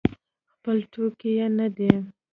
خپل ټوکي نه دی.